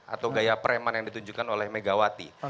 atau gaya preman yang ditunjukkan oleh megawati